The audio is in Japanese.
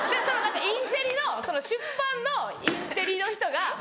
そのインテリの出版のインテリの人が。